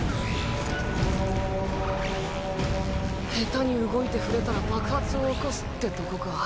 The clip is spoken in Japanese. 下手に動いて触れたら爆発を起こすってとこか。